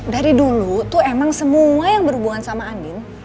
dari dulu tuh emang semua yang berhubungan sama andin